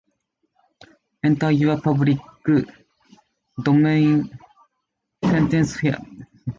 Enter your public domain sentence here